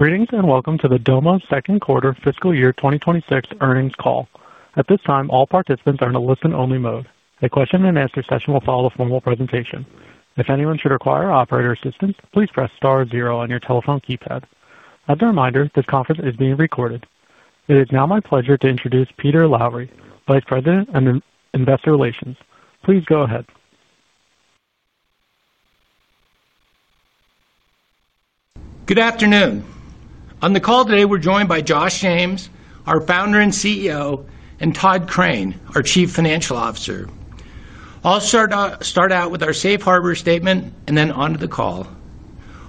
Greetings and welcome to Domo's Second Quarter Fiscal Year 2026 Earnings Call. At this time, all participants are in a listen-only mode. A question and answer session will follow a formal presentation. If anyone should require operator assistance, please press star zero on your telephone keypad. As a reminder, this conference is being recorded. It is now my pleasure to introduce Peter Lowry, Vice President of Investor Relations. Please go ahead. Good afternoon. On the call today, we're joined by Josh James, our Founder and CEO, and Tod Crane, our Chief Financial Officer. I'll start out with our safe harbor statement and then on to the call.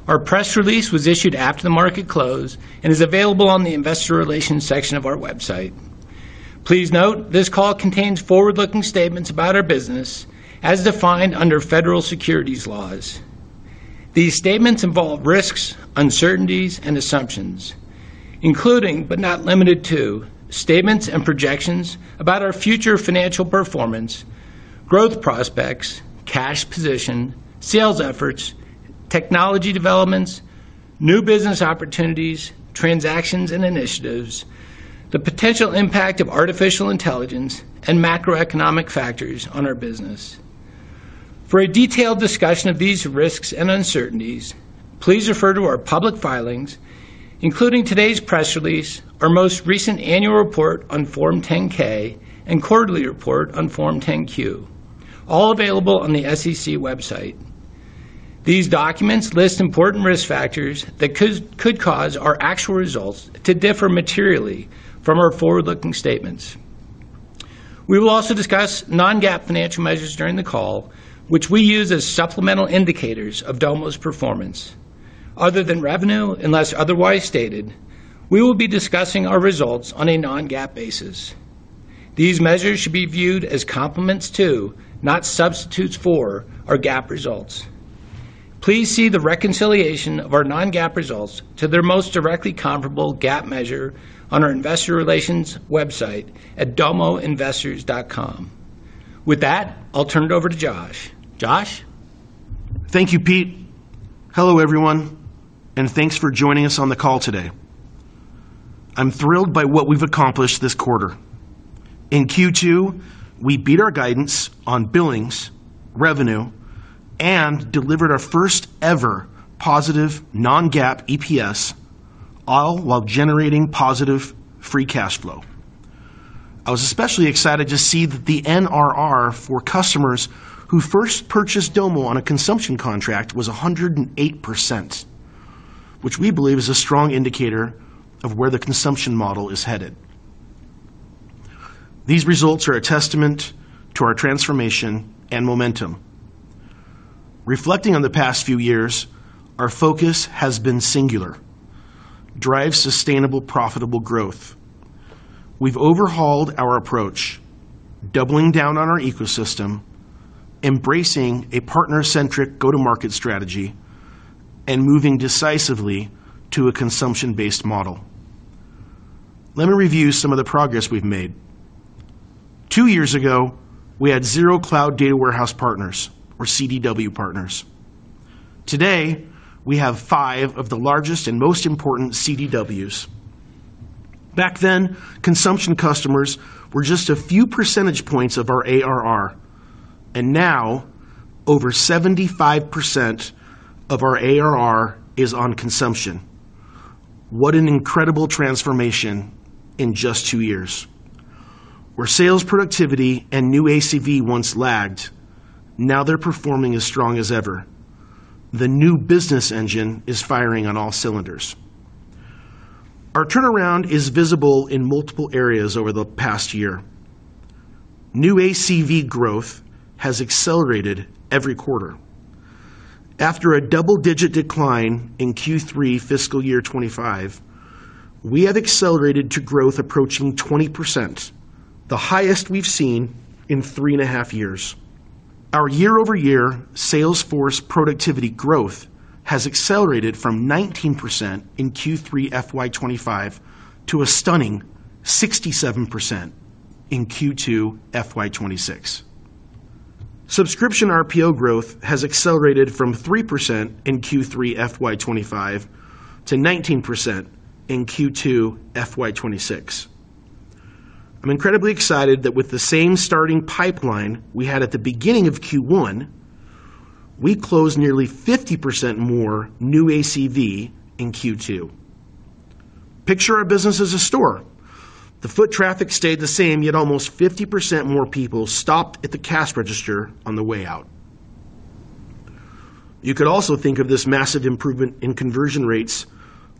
Our press release was issued after the market closed and is available on the Investor Relations section of our website. Please note this call contains forward-looking statements about our business as defined under federal securities laws. These statements involve risks, uncertainties, and assumptions, including but not limited to statements and projections about our future financial performance, growth prospects, cash position, sales efforts, technology developments, new business opportunities, transactions, and initiatives, the potential impact of artificial intelligence, and macroeconomic factors on our business. For a detailed discussion of these risks and uncertainties, please refer to our public filings, including today's press release, our most recent annual report on Form 10-K, and quarterly report on Form 10-Q, all available on the SEC website. These documents list important risk factors that could cause our actual results to differ materially from our forward-looking statements. We will also discuss non-GAAP financial measures during the call, which we use as supplemental indicators of Domo's performance. Other than revenue, unless otherwise stated, we will be discussing our results on a non-GAAP basis. These measures should be viewed as complements to, not substitutes for, our GAAP results. Please see the reconciliation of our non-GAAP results to their most directly comparable GAAP measure on our Investor Relations website at domoinvestors.com. With that, I'll turn it over to Josh. Josh? Thank you, Pete. Hello everyone, and thanks for joining us on the call today. I'm thrilled by what we've accomplished this quarter. In Q2, we beat our guidance on billings, revenue, and delivered our first ever positive non-GAAP EPS, all while generating positive free cash flow. I was especially excited to see that the NRR for customers who first purchased Domo on a consumption contract was 108%, which we believe is a strong indicator of where the consumption model is headed. These results are a testament to our transformation and momentum. Reflecting on the past few years, our focus has been singular: drive sustainable, profitable growth. We've overhauled our approach, doubling down on our ecosystem, embracing a partner-centric go-to-market strategy, and moving decisively to a consumption-based model. Let me review some of the progress we've made. Two years ago, we had zero cloud data warehouse partners, or CDW partners. Today, we have five of the largest and most important CDWs. Back then, consumption customers were just a few percentage points of our ARR, and now over 75% of our ARR is on consumption. What an incredible transformation in just two years. Where sales productivity and new ACV once lagged, now they're performing as strong as ever. The new business engine is firing on all cylinders. Our turnaround is visible in multiple areas over the past year. New ACV growth has accelerated every quarter. After a double-digit decline in Q3 fiscal year 2025, we had accelerated to growth approaching 20%, the highest we've seen in three and a half years. Our year-over-year sales force productivity growth has accelerated from 19% in Q3 FY 2025 to a stunning 67% in Q2 FY 2026. Subscription RPO growth has accelerated from 3% in Q3 FY 2025 to 19% in Q2 FY 2026. I'm incredibly excited that with the same starting pipeline we had at the beginning of Q1, we closed nearly 50% more new ACV in Q2. Picture our business as a store. The foot traffic stayed the same, yet almost 50% more people stopped at the cash register on the way out. You could also think of this massive improvement in conversion rates,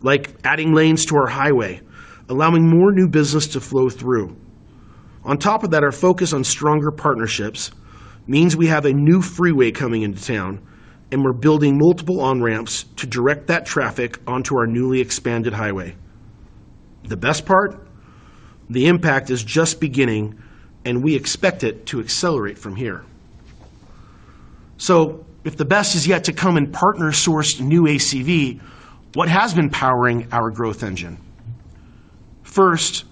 like adding lanes to our highway, allowing more new business to flow through. On top of that, our focus on stronger partnerships means we have a new freeway coming into town, and we're building multiple on-ramps to direct that traffic onto our newly expanded highway. The best part? The impact is just beginning, and we expect it to accelerate from here. If the best is yet to come in partner-sourced new ACV, what has been powering our growth engine? First,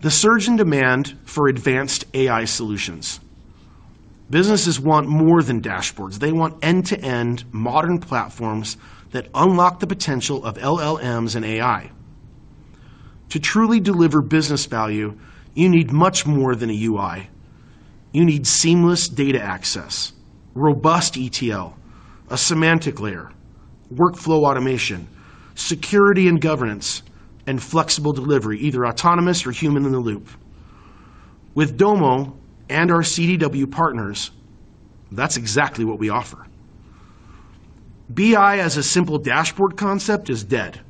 the surge in demand for advanced AI solutions. Businesses want more than dashboards. They want end-to-end modern platforms that unlock the potential of LLMs and AI. To truly deliver business value, you need much more than a UI. You need seamless data access, robust ETL, a semantic layer, workflow automation, security and governance, and flexible delivery, either autonomous or human in the loop. With Domo and our CDW partners, that's exactly what we offer. BI as a simple dashboard concept is dead.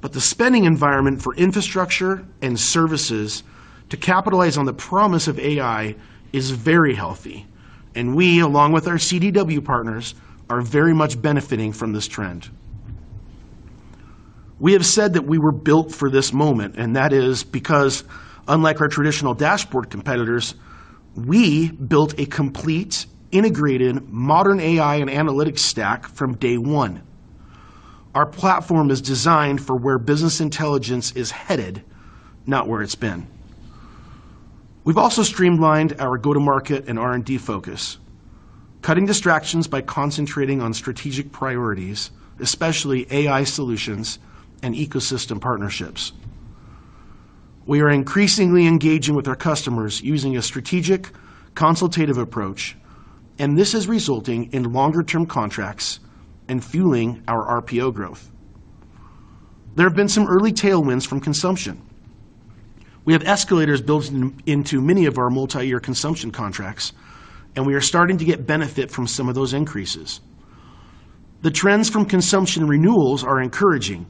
The spending environment for infrastructure and services to capitalize on the promise of AI is very healthy, and we, along with our CDW partners, are very much benefiting from this trend. We have said that we were built for this moment, and that is because, unlike our traditional dashboard competitors, we built a complete, integrated, modern AI and analytics stack from day one. Our platform is designed for where business intelligence is headed, not where it's been. We've also streamlined our go-to-market and R&D focus, cutting distractions by concentrating on strategic priorities, especially AI solutions and ecosystem partnerships. We are increasingly engaging with our customers using a strategic, consultative approach, and this is resulting in longer-term contracts and fueling our RPO growth. There have been some early tailwinds from consumption. We have escalators built into many of our multi-year consumption contracts, and we are starting to get benefit from some of those increases. The trends from consumption renewals are encouraging,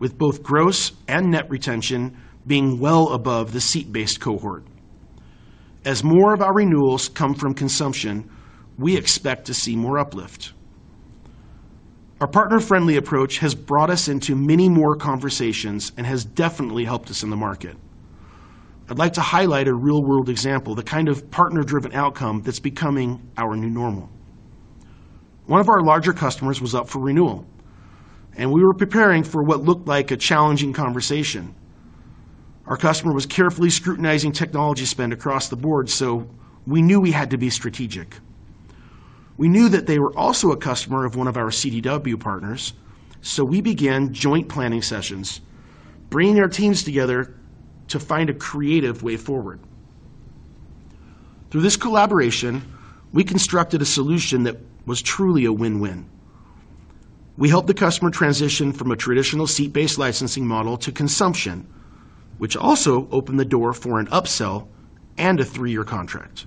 with both gross and net retention being well above the seat-based cohort. As more of our renewals come from consumption, we expect to see more uplift. Our partner-friendly approach has brought us into many more conversations and has definitely helped us in the market. I'd like to highlight a real-world example, the kind of partner-driven outcome that's becoming our new normal. One of our larger customers was up for renewal, and we were preparing for what looked like a challenging conversation. Our customer was carefully scrutinizing technology spend across the board, so we knew we had to be strategic. We knew that they were also a customer of one of our CDW partners, so we began joint planning sessions, bringing our teams together to find a creative way forward. Through this collaboration, we constructed a solution that was truly a win-win. We helped the customer transition from a traditional seat-based licensing model to consumption, which also opened the door for an upsell and a three-year contract.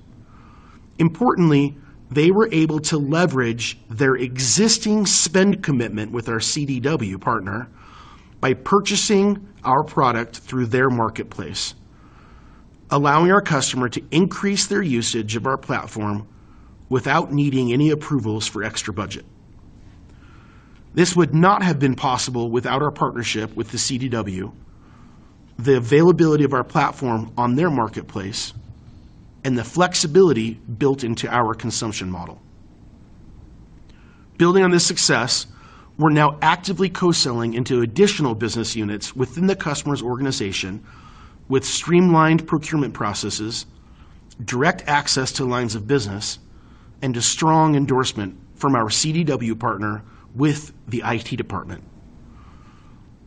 Importantly, they were able to leverage their existing spend commitment with our CDW partner by purchasing our product through their marketplace, allowing our customer to increase their usage of our platform without needing any approvals for extra budget. This would not have been possible without our partnership with the CDW, the availability of our platform on their marketplace, and the flexibility built into our consumption model. Building on this success, we're now actively co-selling into additional business units within the customer's organization, with streamlined procurement processes, direct access to lines of business, and a strong endorsement from our CDW partner with the IT department.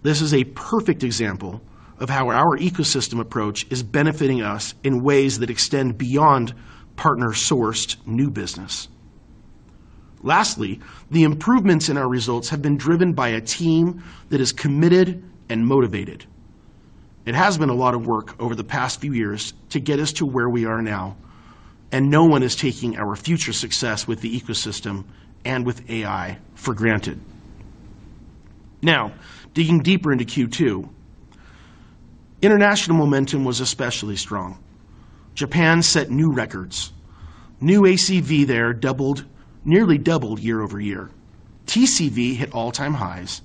This is a perfect example of how our ecosystem approach is benefiting us in ways that extend beyond partner-sourced new business. Lastly, the improvements in our results have been driven by a team that is committed and motivated. It has been a lot of work over the past few years to get us to where we are now, and no one is taking our future success with the ecosystem and with AI for granted. Now, digging deeper into Q2, international momentum was especially strong. Japan set new records. New ACV there nearly doubled year-over-year. TCV hit all-time highs,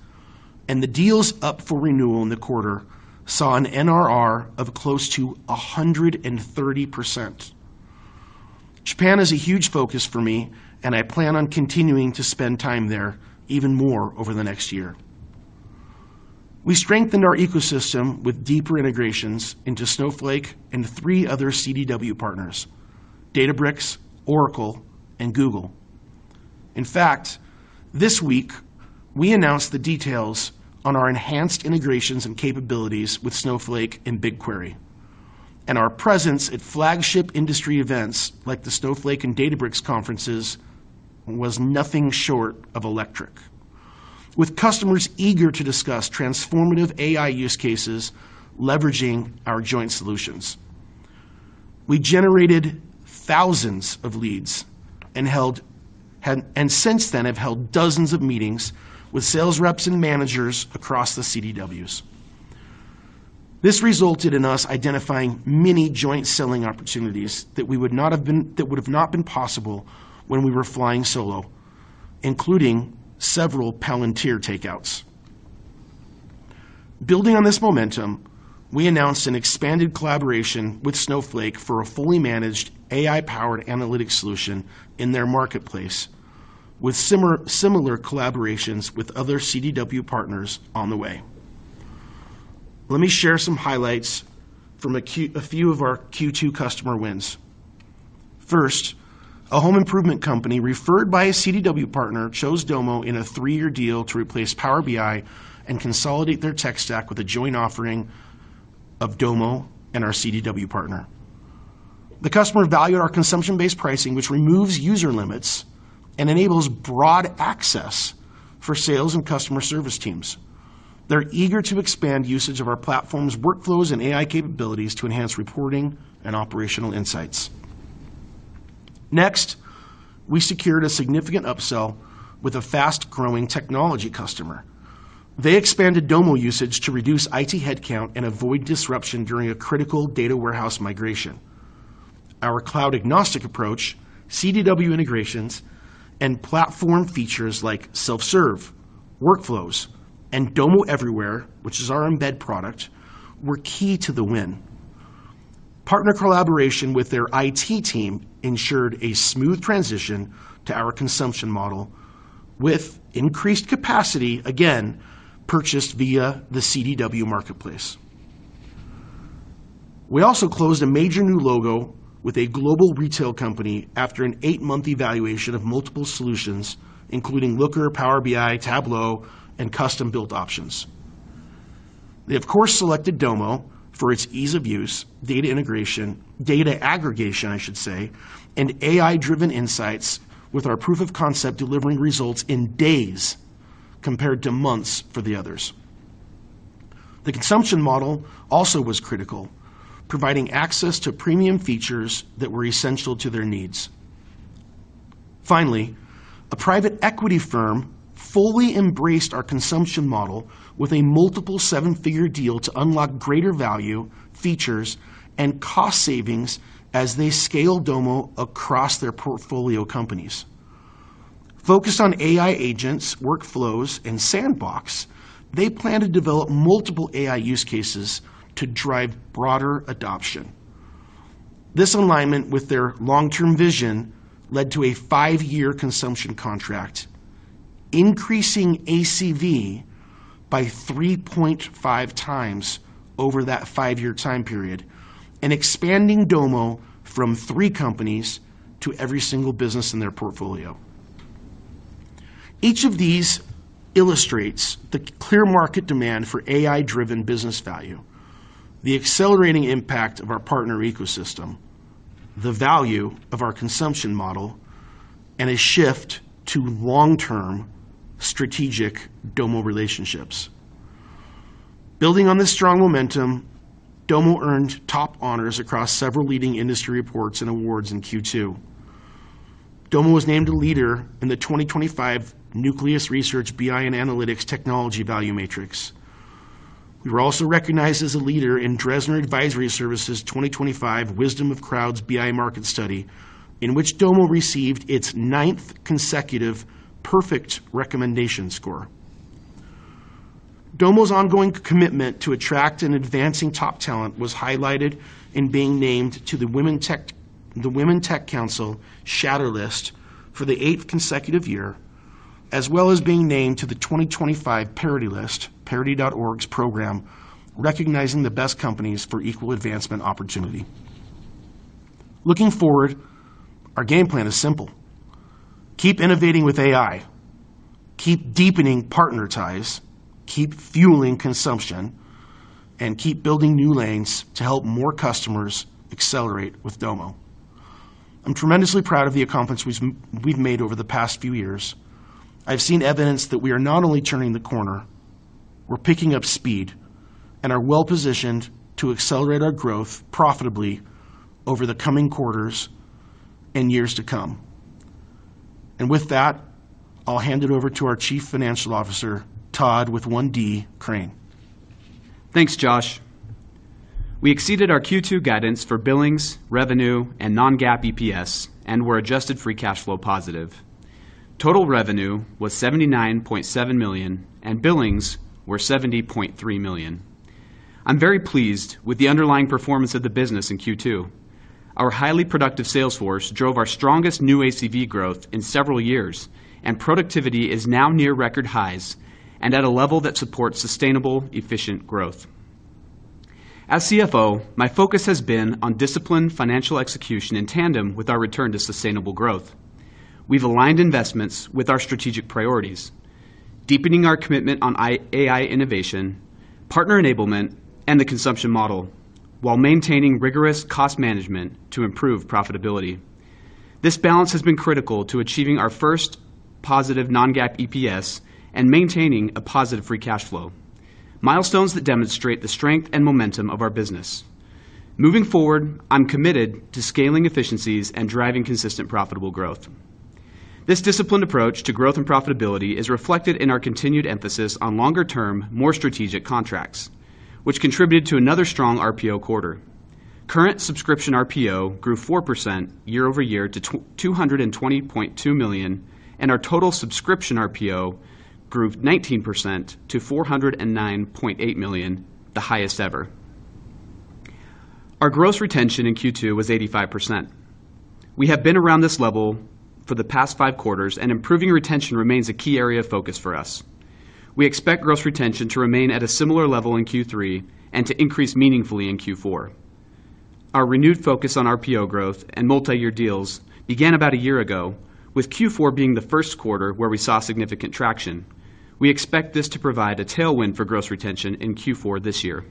and the deals up for renewal in the quarter saw an NRR of close to 130%. Japan is a huge focus for me, and I plan on continuing to spend time there even more over the next year. We strengthened our ecosystem with deeper integrations into Snowflake and three other CDW partners: Databricks, Oracle, and Google. In fact, this week we announced the details on our enhanced integrations and capabilities with Snowflake and BigQuery, and our presence at flagship industry events like the Snowflake and Databricks conferences was nothing short of electric, with customers eager to discuss transformative AI use cases leveraging our joint solutions. We generated thousands of leads and, since then, have held dozens of meetings with sales reps and managers across the CDWs. This resulted in us identifying many joint selling opportunities that would not have been possible when we were flying solo, including several Palantir takeouts. Building on this momentum, we announced an expanded collaboration with Snowflake for a fully managed AI-powered analytics solution in their marketplace, with similar collaborations with other CDW partners on the way. Let me share some highlights from a few of our Q2 customer wins. First, a home improvement company referred by a CDW partner chose Domo in a three-year deal to replace Power BI and consolidate their tech stack with a joint offering of Domo and our CDW partner. The customer valued our consumption-based pricing, which removes user limits and enables broad access for sales and customer service teams. They're eager to expand usage of our platform's workflows and AI capabilities to enhance reporting and operational insights. Next, we secured a significant upsell with a fast-growing technology customer. They expanded Domo usage to reduce IT headcount and avoid disruption during a critical data warehouse migration. Our cloud-agnostic approach, CDW integrations, and platform features like self-serve, workflows, and Domo Everywhere, which is our embed product, were key to the win. Partner collaboration with their IT team ensured a smooth transition to our consumption model, with increased capacity again purchased via the CDW marketplace. We also closed a major new logo with a global retail company after an eight-month evaluation of multiple solutions, including Looker, Power BI, Tableau, and custom-built options. They, of course, selected Domo for its ease of use, data integration, data aggregation, and AI-driven insights, with our proof of concept delivering results in days compared to months for the others. The consumption model also was critical, providing access to premium features that were essential to their needs. Finally, a private equity firm fully embraced our consumption model with a multiple seven-figure deal to unlock greater value, features, and cost savings as they scaled Domo across their portfolio companies. Focused on AI agents, Workflows, and Sandbox, they plan to develop multiple AI use cases to drive broader adoption. This alignment with their long-term vision led to a five-year consumption contract, increasing ACV by 3.5x over that five-year time period and expanding Domo from three companies to every single business in their portfolio. Each of these illustrates the clear market demand for AI-driven business value, the accelerating impact of our partner ecosystem, the value of our consumption model, and a shift to long-term strategic Domo relationships. Building on this strong momentum, Domo earned top honors across several leading industry reports and awards in Q2. Domo was named a leader in the 2025 Nucleus Research BI and Analytics Technology Value Matrix. We were also recognized as a leader in Dresner Advisory Services 2025 Wisdom of Crowds BI Market Study, in which Domo received its ninth consecutive perfect recommendation score. Domo's ongoing commitment to attract and advancing top talent was highlighted in being named to the Women Tech Council Shatter List for the eighth consecutive year, as well as being named to the 2025 ParityLIST, parity.org's program, recognizing the best companies for equal advancement opportunity. Looking forward, our game plan is simple. Keep innovating with AI, keep deepening partner ties, keep fueling consumption, and keep building new lanes to help more customers accelerate with Domo. I'm tremendously proud of the accomplishments we've made over the past few years. I've seen evidence that we are not only turning the corner, we're picking up speed, and are well-positioned to accelerate our growth profitably over the coming quarters and years to come. With that, I'll hand it over to our Chief Financial Officer, Tod Crane. Thanks, Josh. We exceeded our Q2 guidance for billings, revenue, and non-GAAP EPS and were adjusted free cash flow positive. Total revenue was $79.7 million, and billings were $70.3 million. I'm very pleased with the underlying performance of the business in Q2. Our highly productive sales force drove our strongest new ACV growth in several years, and productivity is now near record highs and at a level that supports sustainable, efficient growth. As CFO, my focus has been on disciplined financial execution in tandem with our return to sustainable growth. We've aligned investments with our strategic priorities, deepening our commitment on AI innovation, partner enablement, and the consumption model, while maintaining rigorous cost management to improve profitability. This balance has been critical to achieving our first positive non-GAAP EPS and maintaining a positive free cash flow, milestones that demonstrate the strength and momentum of our business. Moving forward, I'm committed to scaling efficiencies and driving consistent profitable growth. This disciplined approach to growth and profitability is reflected in our continued emphasis on longer-term, more strategic contracts, which contributed to another strong RPO quarter. Current subscription RPO grew 4% year-over-year to $220.2 million, and our total subscription RPO grew 19% to $409.8 million, the highest ever. Our gross retention in Q2 was 85%. We have been around this level for the past five quarters, and improving retention remains a key area of focus for us. We expect gross retention to remain at a similar level in Q3 and to increase meaningfully in Q4. Our renewed focus on RPO growth and multi-year deals began about a year ago, with Q4 being the first quarter where we saw significant traction. We expect this to provide a tailwind for gross retention in Q4 this year.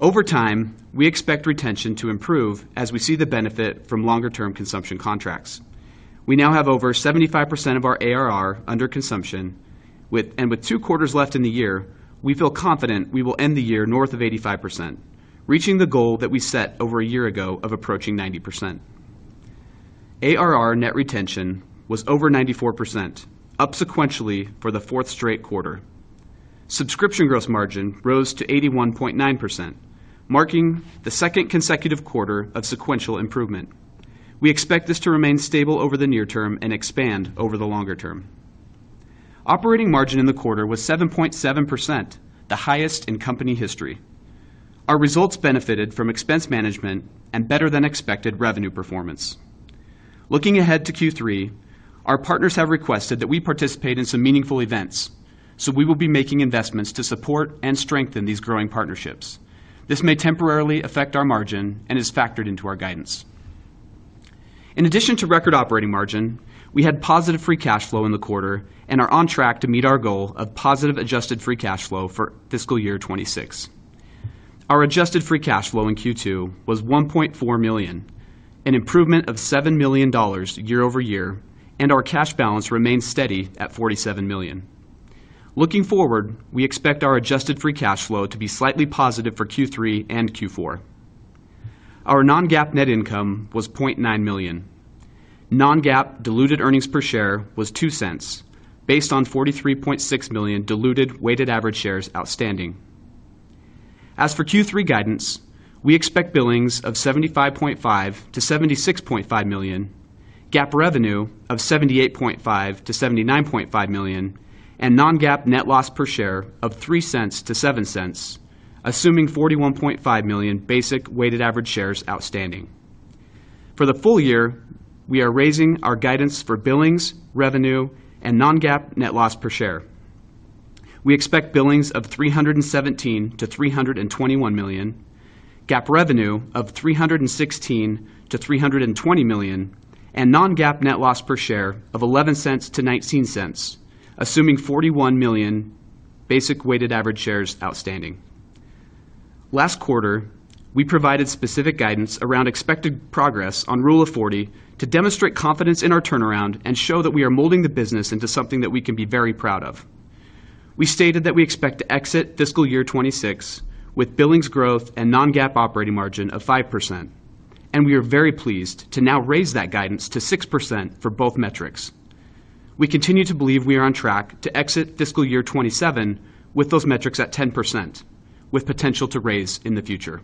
Over time, we expect retention to improve as we see the benefit from longer-term consumption contracts. We now have over 75% of our ARR under consumption, and with two quarters left in the year, we feel confident we will end the year north of 85%, reaching the goal that we set over a year ago of approaching 90%. ARR net retention was over 94%, up sequentially for the fourth straight quarter. Subscription gross margin rose to 81.9%, marking the second consecutive quarter of sequential improvement. We expect this to remain stable over the near term and expand over the longer-term. Operating margin in the quarter was 7.7%, the highest in company history. Our results benefited from expense management and better-than-expected revenue performance. Looking ahead to Q3, our partners have requested that we participate in some meaningful events, so we will be making investments to support and strengthen these growing partnerships. This may temporarily affect our margin and is factored into our guidance. In addition to record operating margin, we had positive free cash flow in the quarter and are on track to meet our goal of positive adjusted free cash flow for fiscal year 2026. Our adjusted free cash flow in Q2 was $1.4 million, an improvement of $7 million year-over-year, and our cash balance remains steady at $47 million. Looking forward, we expect our adjusted free cash flow to be slightly positive for Q3 and Q4. Our non-GAAP net income was $0.9 million. Non-GAAP diluted earnings per share was $0.02, based on $43.6 million diluted weighted average shares outstanding. As for Q3 guidance, we expect billings of $75.5 million-$76.5 million, GAAP revenue of $78.5 million-$79.5 million, and non-GAAP net loss per share of $0.03-$0.07, assuming $41.5 million basic weighted average shares outstanding. For the full year, we are raising our guidance for billings, revenue, and non-GAAP net loss per share. We expect billings of $317 million-$321 million, GAAP revenue of $316 million-$320 million, and non-GAAP net loss per share of $0.11-$0.19, assuming $41 million basic weighted average shares outstanding. Last quarter, we provided specific guidance around expected progress on Rule of 40 to demonstrate confidence in our turnaround and show that we are molding the business into something that we can be very proud of. We stated that we expect to exit fiscal year 2026 with billings growth and non-GAAP operating margin of 5%, and we are very pleased to now raise that guidance to 6% for both metrics. We continue to believe we are on track to exit fiscal year 2027 with those metrics at 10%, with potential to raise in the future.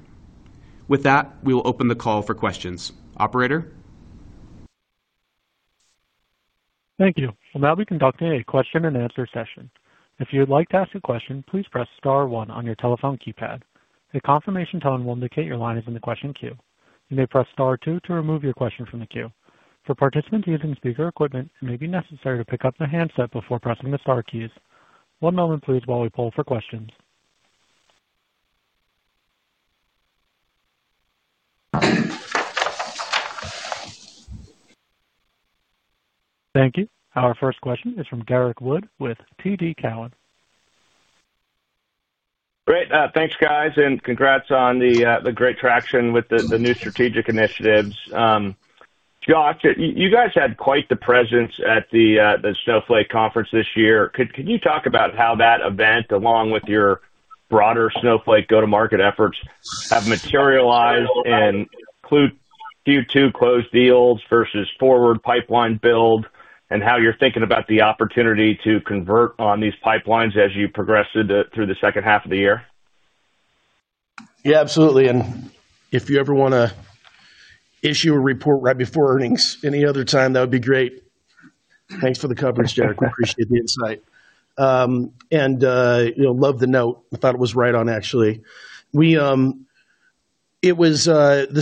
With that, we will open the call for questions. Operator? Thank you. We'll now be conducting a question and answer session. If you would like to ask a question, please press star one on your telephone keypad. A confirmation tone will indicate your line is in the question queue. You may press star two to remove your question from the queue. For participants using speaker equipment, it may be necessary to pick up the handset before pressing the star keys. One moment, please, while we pull for questions. Thank you. Our first question is from Derrick Wood with TD Cowen. Great. Thanks, guys, and congrats on the great traction with the new strategic initiatives. Josh, you guys had quite the presence at the Snowflake conference this year. Could you talk about how that event, along with your broader Snowflake go-to-market efforts, have materialized and include Q2 closed deals versus forward pipeline build, and how you're thinking about the opportunity to convert on these pipelines as you progress through the second half of the year? Yeah, absolutely. If you ever want to issue a report right before earnings, any other time, that would be great. Thanks for the coverage, Derrick. We appreciate the insight. You'll love the note. I thought it was right on, actually. The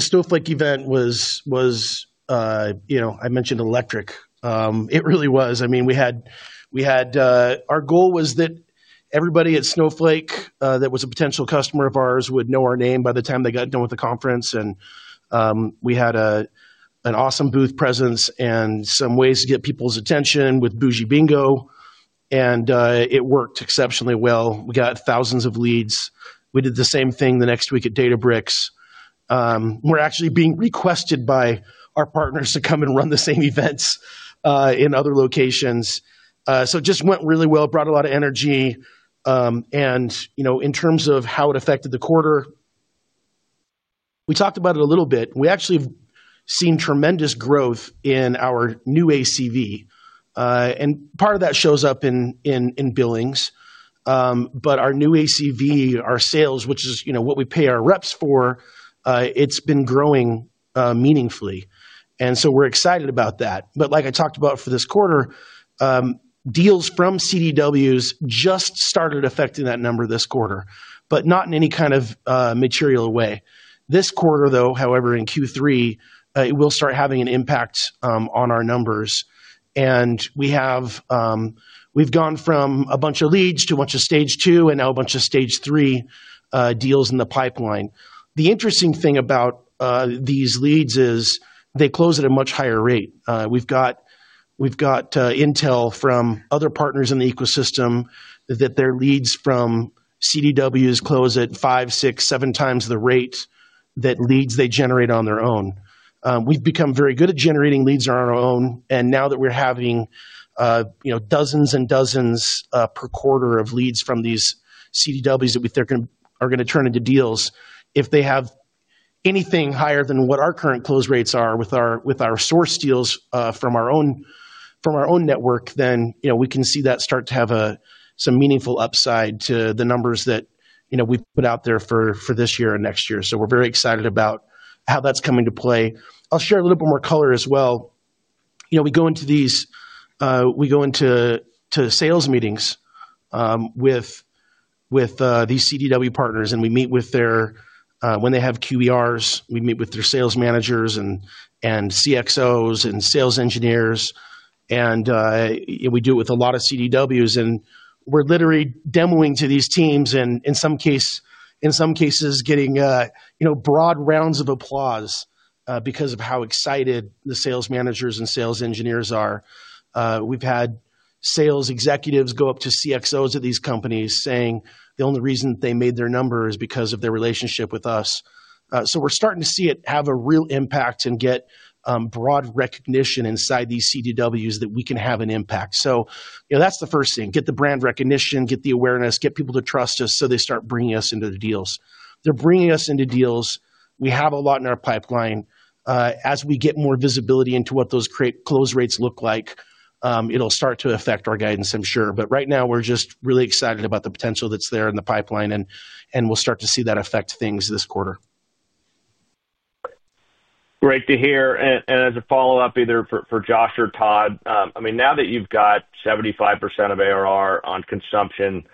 Snowflake event was, you know, I mentioned electric. It really was. Our goal was that everybody at Snowflake that was a potential customer of ours would know our name by the time they got done with the conference. We had an awesome booth presence and some ways to get people's attention with Bougie Bingo, and it worked exceptionally well. We got thousands of leads. We did the same thing the next week at Databricks. We're actually being requested by our partners to come and run the same events in other locations. It just went really well, brought a lot of energy. In terms of how it affected the quarter, we talked about it a little bit. We actually have seen tremendous growth in our new ACV, and part of that shows up in billings. Our new ACV, our sales, which is what we pay our reps for, it's been growing meaningfully. We're excited about that. Like I talked about for this quarter, deals from CDWs just started affecting that number this quarter, but not in any kind of material way. This quarter, however, in Q3, it will start having an impact on our numbers. We've gone from a bunch of leads to a bunch of stage two and now a bunch of stage three deals in the pipeline. The interesting thing about these leads is they close at a much higher rate. We've got intel from other partners in the ecosystem that their leads from CDWs close at five, six, seven times the rate that leads they generate on their own. We've become very good at generating leads on our own. Now that we're having dozens and dozens per quarter of leads from these CDWs that are going to turn into deals, if they have anything higher than what our current close rates are with our source deals from our own network, then we can see that start to have some meaningful upside to the numbers that we put out there for this year and next year. We're very excited about how that's coming to play. I'll share a little bit more color as well. We go into sales meetings with these CDW partners, and we meet with their, when they have QERs, we meet with their sales managers and CXOs and sales engineers. We do it with a lot of CDWs, and we're literally demoing to these teams and in some cases getting broad rounds of applause because of how excited the sales managers and sales engineers are. We've had sales executives go up to CXOs at these companies saying the only reason they made their number is because of their relationship with us. We're starting to see it have a real impact and get broad recognition inside these CDWs that we can have an impact. The first thing is to get the brand recognition, get the awareness, get people to trust us so they start bringing us into the deals. They're bringing us into deals. We have a lot in our pipeline. As we get more visibility into what those close rates look like, it'll start to affect our guidance, I'm sure. Right now, we're just really excited about the potential that's there in the pipeline, and we'll start to see that affect things this quarter. Great to hear. As a follow-up, either for Josh or Tod, now that you've got 75% of ARR on consumption,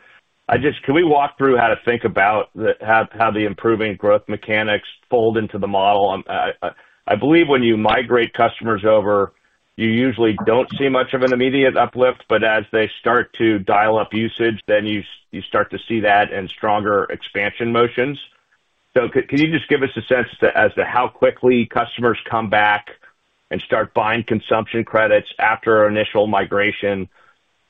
can we walk through how to think about how the improving growth mechanics fold into the model? I believe when you migrate customers over, you usually don't see much of an immediate uplift, but as they start to dial up usage, you start to see that and stronger expansion motions. Can you just give us a sense as to how quickly customers come back and start buying consumption credits after our initial migration?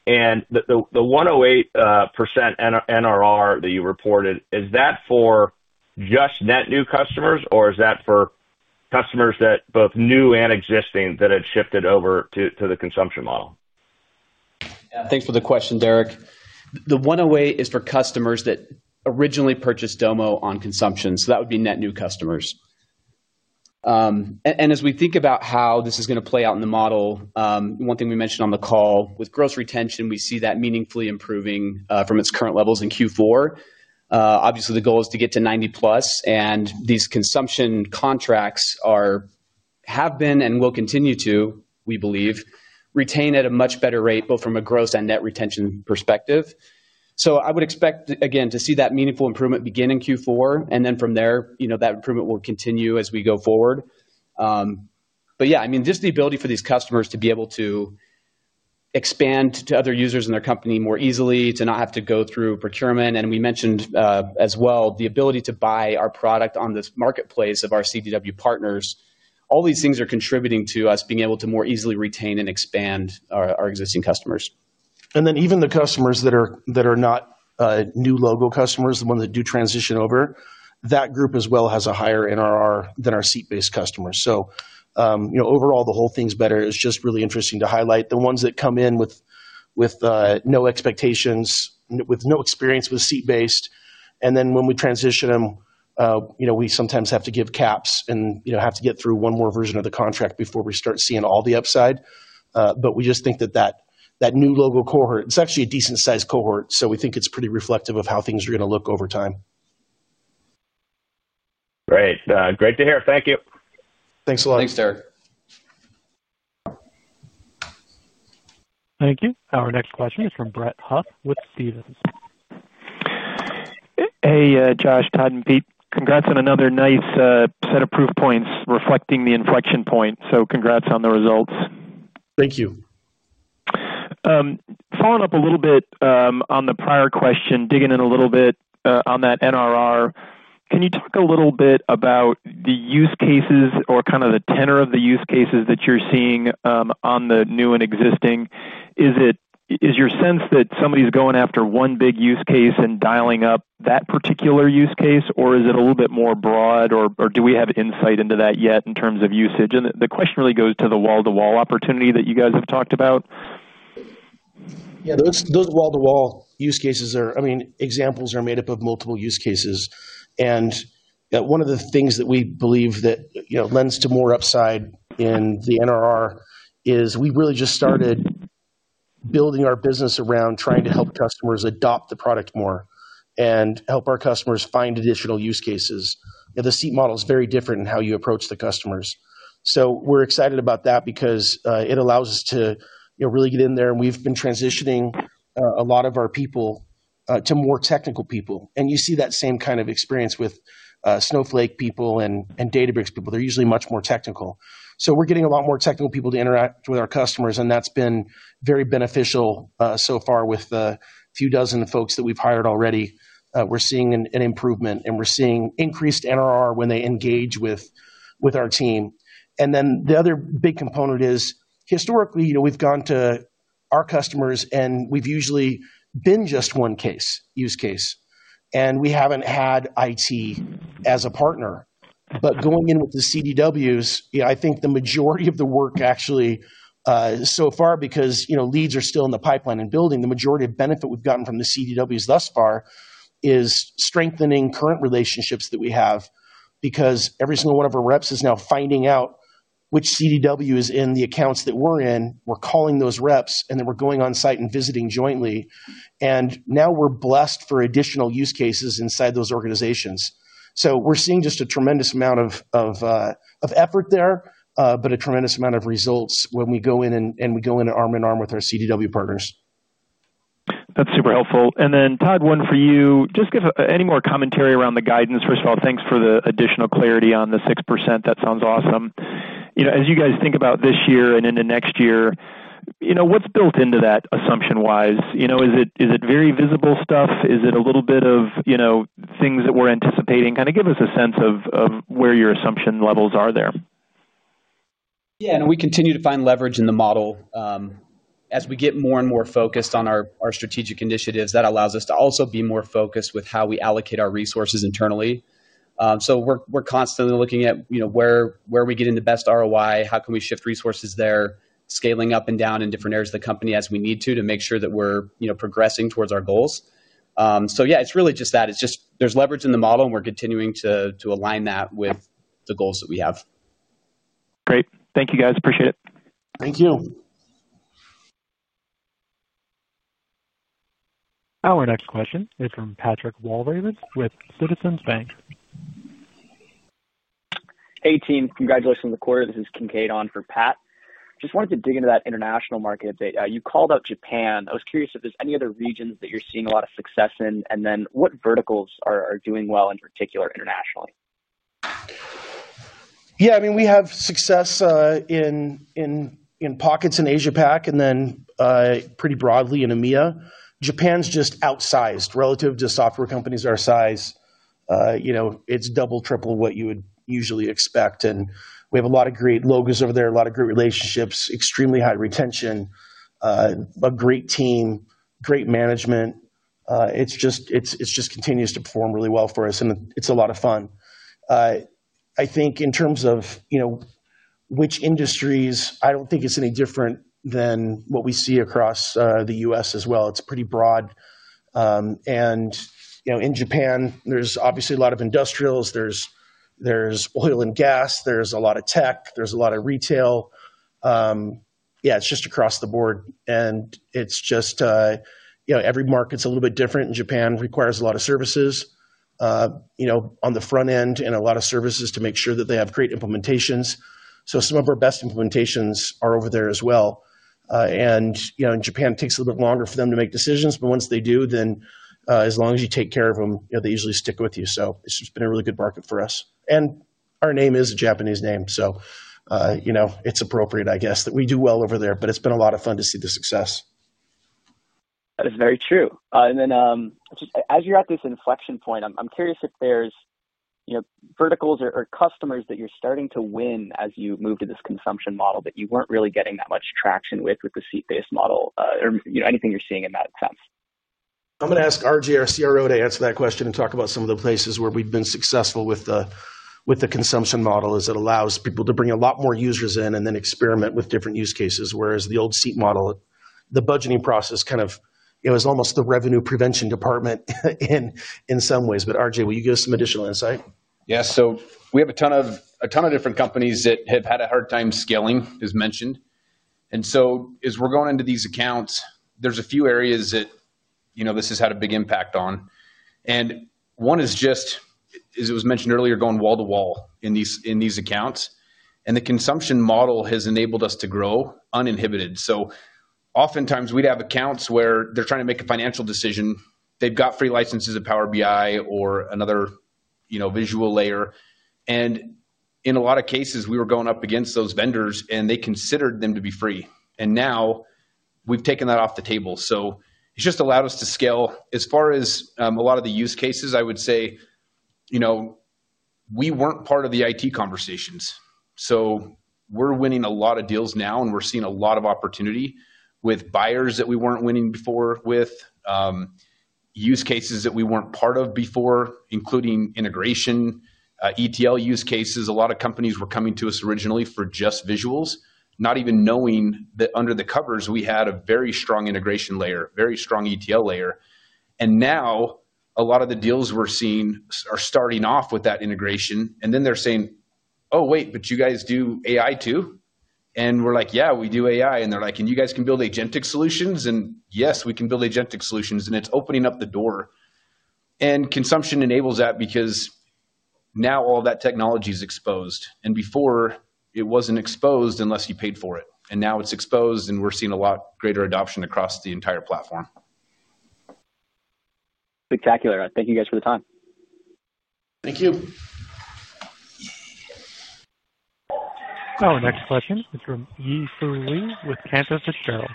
The 108% NRR that you reported, is that for just net new customers, or is that for customers that both new and existing that had shifted over to the consumption model? Thanks for the question, Derrick. The 108 is for customers that originally purchased Domo on consumption, so that would be net new customers. As we think about how this is going to play out in the model, one thing we mentioned on the call, with gross retention, we see that meaningfully improving from its current levels in Q4. Obviously, the goal is to get to 90%+, and these consumption contracts have been and will continue to, we believe, retain at a much better rate, both from a gross and net retention perspective. I would expect, again, to see that meaningful improvement begin in Q4, and from there, you know, that improvement will continue as we go forward. Just the ability for these customers to be able to expand to other users in their company more easily, to not have to go through procurement, and we mentioned as well, the ability to buy our product on this marketplace of our CDW partners, all these things are contributing to us being able to more easily retain and expand our existing customers. Even the customers that are not new logo customers, the ones that do transition over, that group as well has a higher NRR than our seat-based customers. Overall, the whole thing's better. It's just really interesting to highlight the ones that come in with no expectations, with no experience with seat-based. When we transition them, we sometimes have to give caps and have to get through one more version of the contract before we start seeing all the upside. We just think that that new logo cohort, it's actually a decent sized cohort, so we think it's pretty reflective of how things are going to look over time. Great. Great to hear. Thank you. Thanks a lot. Thanks, Derrick. Thank you. Our next question is from Brett Huff with Stephens. Hey, Josh, Tod, and Pete. Congrats on another nice set of proof points reflecting the inflection point. Congrats on the results. Thank you. Following up a little bit on the prior question, digging in a little bit on that NRR, can you talk a little bit about the use cases or kind of the tenor of the use cases that you're seeing on the new and existing? Is your sense that somebody's going after one big use case and dialing up that particular use case, or is it a little bit more broad, or do we have insight into that yet in terms of usage? The question really goes to the wall-to-wall opportunity that you guys have talked about. Yeah, those wall-to-wall use cases are, I mean, examples are made up of multiple use cases. One of the things that we believe that lends to more upside in the NRR is we really just started building our business around trying to help customers adopt the product more and help our customers find additional use cases. The seat model is very different in how you approach the customers. We're excited about that because it allows us to really get in there, and we've been transitioning a lot of our people to more technical people. You see that same kind of experience with Snowflake people and Databricks people. They're usually much more technical. We're getting a lot more technical people to interact with our customers, and that's been very beneficial so far with the few dozen folks that we've hired already. We're seeing an improvement, and we're seeing increased NRR when they engage with our team. The other big component is historically, we've gone to our customers, and we've usually been just one use case, and we haven't had IT as a partner. Going in with the CDWs, I think the majority of the work actually so far, because leads are still in the pipeline and building, the majority of benefit we've gotten from the CDWs thus far is strengthening current relationships that we have because every single one of our reps is now finding out which CDW is in the accounts that we're in. We're calling those reps, and then we're going on site and visiting jointly. Now we're blessed for additional use cases inside those organizations. We're seeing just a tremendous amount of effort there, but a tremendous amount of results when we go in and we go in arm in arm with our CDW partners. That's super helpful. Tod, one for you. Just give any more commentary around the guidance. First of all, thanks for the additional clarity on the 6%. That sounds awesome. As you guys think about this year and into next year, what's built into that assumption-wise? Is it very visible stuff? Is it a little bit of things that we're anticipating? Kind of give us a sense of where your assumption levels are there. Yeah, we continue to find leverage in the model. As we get more and more focused on our strategic initiatives, that allows us to also be more focused with how we allocate our resources internally. We're constantly looking at where are we getting the best ROI, how can we shift resources there, scaling up and down in different areas of the company as we need to make sure that we're progressing towards our goals. It's really just that. There's leverage in the model, and we're continuing to align that with the goals that we have. Great. Thank you, guys. Appreciate it. Thank you. Our next question is from Patrick Walravens with Citizens Bank. Hey team, congratulations on the quarter. This is Kincaid on for Pat. Just wanted to dig into that international market update. You called out Japan. I was curious if there's any other regions that you're seeing a lot of success in, and what verticals are doing well in particular internationally? Yeah, I mean, we have success in pockets in Asia-Pac and then pretty broadly in EMEA. Japan's just outsized relative to software companies our size. It's double, triple what you would usually expect. We have a lot of great logos over there, a lot of great relationships, extremely high retention, a great team, great management. It just continues to perform really well for us, and it's a lot of fun. I think in terms of which industries, I don't think it's any different than what we see across the U.S. as well. It's pretty broad. In Japan, there's obviously a lot of industrials, there's oil and gas, there's a lot of tech, there's a lot of retail. It's just across the board, and every market's a little bit different. Japan requires a lot of services on the front end and a lot of services to make sure that they have great implementations. Some of our best implementations are over there as well. In Japan, it takes a little bit longer for them to make decisions, but once they do, then as long as you take care of them, they usually stick with you. It's just been a really good market for us. Our name is a Japanese name, so it's appropriate, I guess, that we do well over there, but it's been a lot of fun to see the success. That is very true. As you're at this inflection point, I'm curious if there's verticals or customers that you're starting to win as you move to this consumption model that you weren't really getting that much traction with with the seat-based model, or anything you're seeing in that sense? I'm going to ask RJ, our CRO, to answer that question and talk about some of the places where we've been successful with the consumption model. It allows people to bring a lot more users in and then experiment with different use cases, whereas the old seat model, the budgeting process is almost the revenue prevention department in some ways. RJ, will you give us some additional insight? Yeah, we have a ton of different companies that have had a hard time scaling, as mentioned. As we're going into these accounts, there's a few areas that this has had a big impact on. One is just, as was mentioned earlier, going wall to wall in these accounts. The consumption model has enabled us to grow uninhibited. Oftentimes we'd have accounts where they're trying to make a financial decision. They've got free licenses of Power BI or another visual layer. In a lot of cases, we were going up against those vendors and they considered them to be free. Now we've taken that off the table. It's just allowed us to scale. As far as a lot of the use cases, I would say we weren't part of the IT conversations. We're winning a lot of deals now and we're seeing a lot of opportunity with buyers that we weren't winning before, with use cases that we weren't part of before, including integration, ETL use cases. A lot of companies were coming to us originally for just visuals, not even knowing that under the covers we had a very strong integration layer, very strong ETL layer. Now a lot of the deals we're seeing are starting off with that integration and then they're saying, oh wait, but you guys do AI too? We're like, yeah, we do AI. They're like, and you guys can build agentic solutions? Yes, we can build agentic solutions. It's opening up the door. Consumption enables that because now all that technology is exposed. Before it wasn't exposed unless you paid for it. Now it's exposed and we're seeing a lot greater adoption across the entire platform. Spectacular. Thank you guys for the time. Thank you. Our next question is from Yi Fu Lee with Cantor Fitzgerald.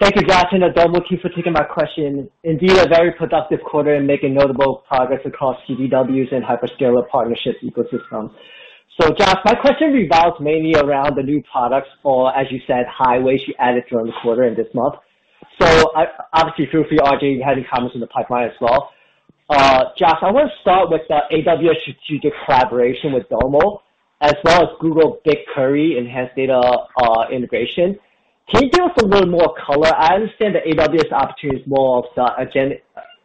Thank you, Josh, and Domo, lucky for taking my question. Indeed, a very productive quarter and making notable progress across CDWs and hyperscaler partnerships ecosystem. Josh, that question revolves mainly around the new products or, as you said, highways you added throughout the quarter in this month. Obviously, feel free, RJ, if you have any comments in the pipeline as well. Josh, I want to start with the AWS strategic collaboration with Domo, as well as Google BigQuery enhanced data integration. Can you give us a little more color? I understand the AWS opportunity is more of the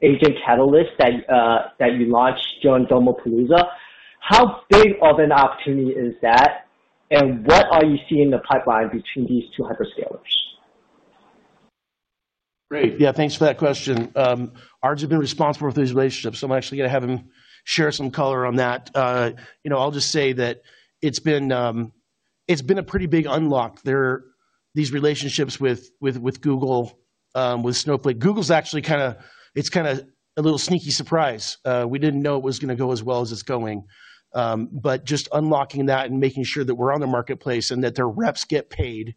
agent catalyst that you launched during Domopalooza. How big of an opportunity is that? What are you seeing in the pipeline between these two hyperscalers? Great. Yeah, thanks for that question. RJ's been responsible for these relationships, so I'm actually going to have him share some color on that. I'll just say that it's been a pretty big unlock there. These relationships with Google, with Snowflake, Google's actually kind of, it's kind of a little sneaky surprise. We didn't know it was going to go as well as it's going. Just unlocking that and making sure that we're on the marketplace and that their reps get paid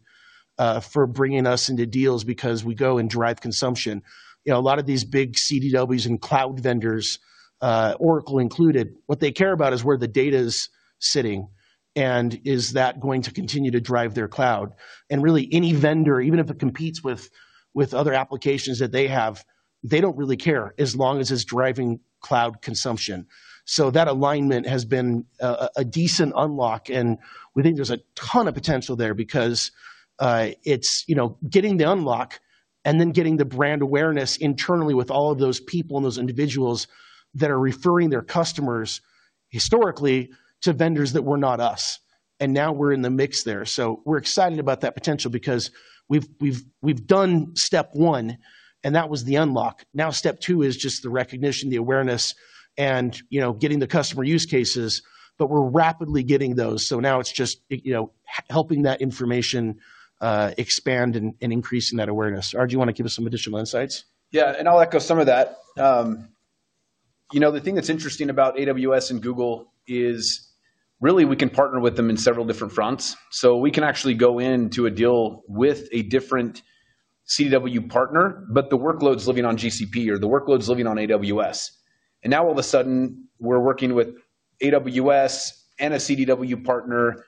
for bringing us into deals because we go and drive consumption. A lot of these big CDWs and cloud vendors, Oracle included, what they care about is where the data is sitting and is that going to continue to drive their cloud. Really, any vendor, even if it competes with other applications that they have, they don't really care as long as it's driving cloud consumption. That alignment has been a decent unlock. We think there's a ton of potential there because it's getting the unlock and then getting the brand awareness internally with all of those people and those individuals that are referring their customers historically to vendors that were not us. Now we're in the mix there. We're excited about that potential because we've done step one, and that was the unlock. Now step two is just the recognition, the awareness, and getting the customer use cases. We're rapidly getting those. Now it's just helping that information expand and increase in that awareness. RJ, you want to give us some additional insights? Yeah, I'll echo some of that. The thing that's interesting about AWS and Google is really we can partner with them on several different fronts. We can actually go into a deal with a different CDW partner, but the workload's living on GCP or the workload's living on AWS. All of a sudden we're working with AWS and a CDW partner,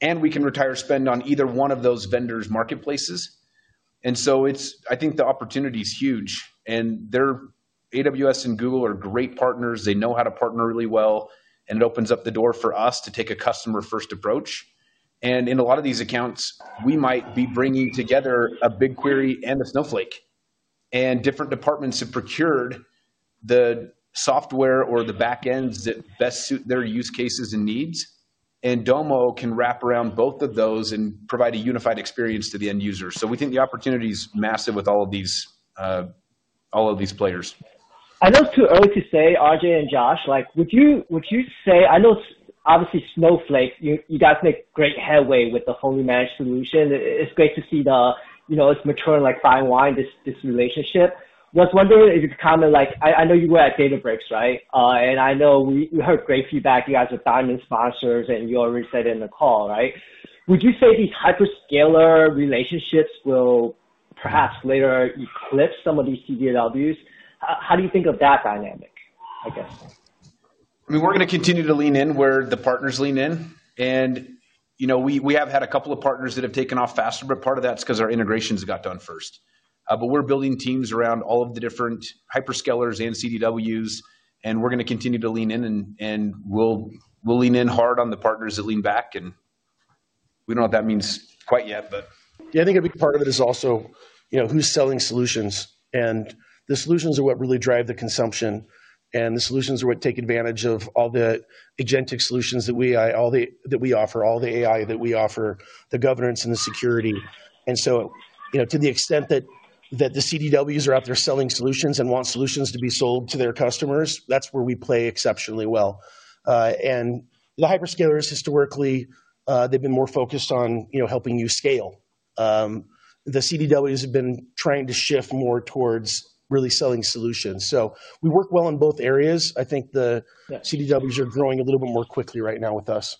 and we can retire spend on either one of those vendors' marketplaces. I think the opportunity is huge. AWS and Google are great partners. They know how to partner really well, and it opens up the door for us to take a customer-first approach. In a lot of these accounts, we might be bringing together a BigQuery and a Snowflake. Different departments have procured the software or the backends that best suit their use cases and needs. Domo can wrap around both of those and provide a unified experience to the end user. We think the opportunity is massive with all of these players. I know it's too early to say, RJ and Josh, would you say, I know obviously Snowflake, you guys make great headway with the wholly managed solution. It's great to see the, you know, it's maturing like fine wine, this relationship. I was wondering if you could comment, I know you were at Databricks, right? I know we heard great feedback. You guys are diamond sponsors, and you already said it in the call, right? Would you say these hyperscaler relationships will perhaps later eclipse some of these CDWs? How do you think of that dynamic, I guess? I mean, we're going to continue to lean in where the partners lean in. We have had a couple of partners that have taken off faster, but part of that's because our integrations got done first. We're building teams around all of the different hyperscalers and CDWs, and we're going to continue to lean in, and we'll lean in hard on the partners that lean back. We don't know what that means quite yet. I think a big part of it is also who's selling solutions. The solutions are what really drive the consumption, and the solutions are what take advantage of all the agentic solutions that we offer, all the AI that we offer, the governance and the security. To the extent that the CDWs are out there selling solutions and want solutions to be sold to their customers, that's where we play exceptionally well. The hyperscalers historically have been more focused on helping you scale. The CDWs have been trying to shift more towards really selling solutions. We work well in both areas. I think the CDWs are growing a little bit more quickly right now with us.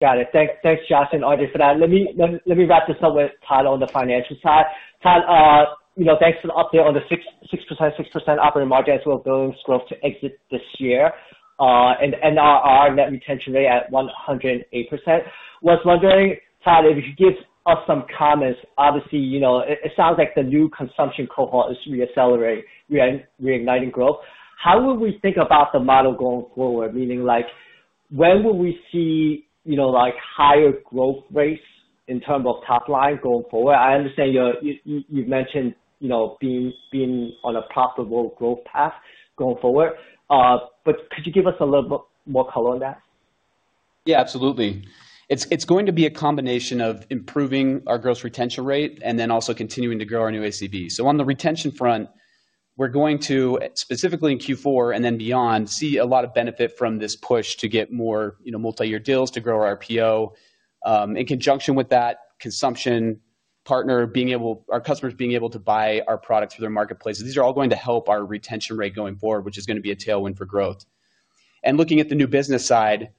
Got it. Thanks, Josh and RJ for that. Let me wrap this up with Tod on the financial side. Tod, you know, thanks for the update on the 6% operating margin as well as billings growth to exit this year, and our net retention rate at 108%. What I was wondering, Tod, is if you give us some comments, obviously, you know, it sounds like the new consumption cohort is reaccelerating, reigniting growth. How will we think about the model going forward? Meaning like, when will we see, you know, like higher growth rates in terms of top line going forward? I understand you mentioned, you know, being on a profitable growth path going forward. Could you give us a little more color on that? Yeah, absolutely. It's going to be a combination of improving our gross retention rate and then also continuing to grow our new ACV. On the retention front, specifically in Q4 and then beyond, we are going to see a lot of benefit from this push to get more multi-year deals to grow our RPO. In conjunction with that, consumption partner, being able, our customers being able to buy our products through their marketplaces, these are all going to help our retention rate going forward, which is going to be a tailwind for growth. Looking at the new business side,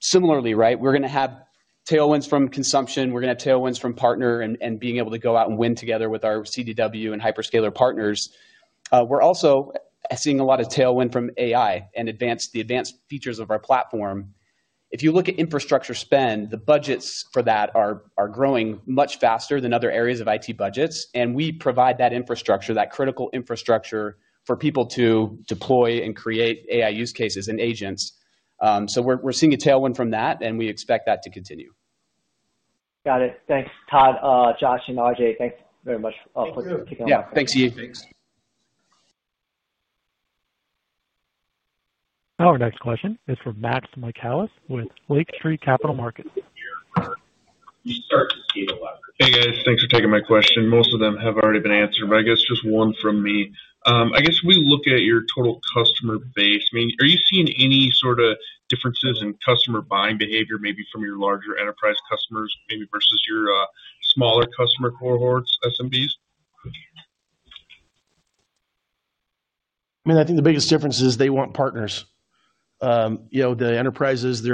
similarly, we are going to have tailwinds from consumption. We are going to have tailwinds from partner and being able to go out and win together with our CDW and hyperscaler partners. We are also seeing a lot of tailwind from AI and the advanced features of our platform. If you look at infrastructure spend, the budgets for that are growing much faster than other areas of IT budgets. We provide that infrastructure, that critical infrastructure for people to deploy and create AI use cases and agents. We are seeing a tailwind from that, and we expect that to continue. Got it. Thanks, Tod, Josh, and RJ. Thanks very much for kicking it off. Yeah, thanks to you. Thanks. Our next question is for Max Michaelis with Lake Street Capital Markets. Hey guys, thanks for taking my question. Most of them have already been answered, but I guess just one from me. I guess we look at your total customer base. Are you seeing any sort of differences in customer buying behavior maybe from your larger enterprise customers, maybe versus your smaller customer cohort, FMBs? I think the biggest difference is they want partners. The enterprises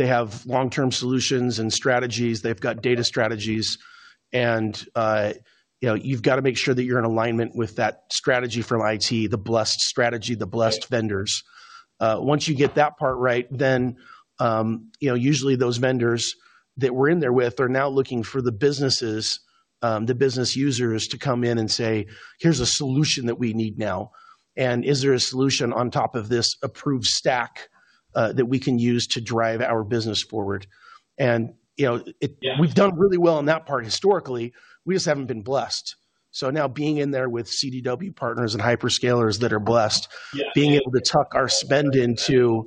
have long-term solutions and strategies. They've got data strategies, and you've got to make sure that you're in alignment with that strategy from IT, the blessed strategy, the blessed vendors. Once you get that part right, usually those vendors that we're in there with are now looking for the business users to come in and say, here's a solution that we need now. Is there a solution on top of this approved stack that we can use to drive our business forward? We've done really well on that part historically. We just haven't been blessed. Now being in there with CDW partners and hyperscalers that are blessed, being able to tuck our spend into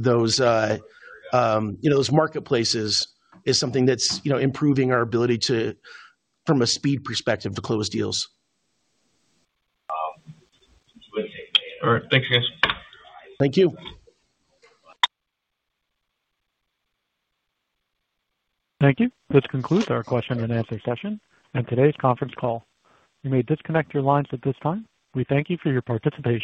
those marketplaces is something that's improving our ability, from a speed perspective, to close deals. All right. Thank you. Thank you. Thank you. This concludes our question and answer session and today's conference call. You may disconnect your lines at this time. We thank you for your participation.